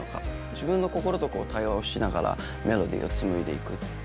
自分の心と対話をしながらメロディーをつむいでいく。